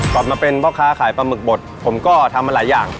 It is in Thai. มาเป็นพ่อค้าขายปลาหมึกบดผมก็ทำมาหลายอย่าง